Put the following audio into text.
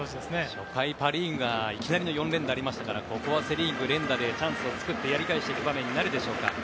初回、パ・リーグがいきなりの４連打がありましたからここはセ・リーグ連打でチャンスを作ってやりたい場面になるでしょうか。